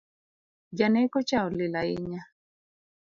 Janeko cha olil ahinya